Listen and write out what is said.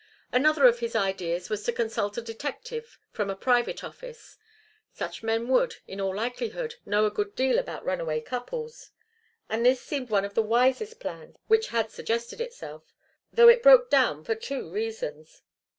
Another of his ideas was to consult a detective, from a private office. Such men would, in all likelihood, know a good deal about runaway couples. And this seemed one of the wisest plans which had suggested itself, though it broke down for two reasons.